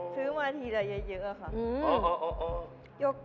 คือมาทีละเยอะค่ะโยเกิร์ต๒ถ้วย